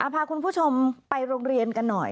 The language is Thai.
พาคุณผู้ชมไปโรงเรียนกันหน่อย